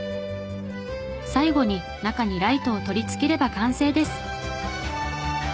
最後に中にライトを取り付ければ完成です。